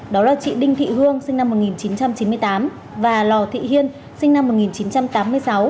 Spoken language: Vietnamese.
đó là chị đinh thị hương sinh năm một nghìn chín trăm chín mươi tám và lò thị hiên sinh năm một nghìn chín trăm tám mươi sáu